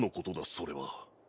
それは。